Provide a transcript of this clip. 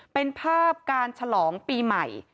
เป็นภาพการฉลองปีใหม่